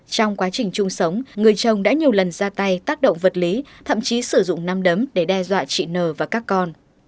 trong quá trình chung sống người chồng đã nhiều lần ra tay tác động vật lý thậm chí sử dụng năm đấm để đe dọa chị nờ và các con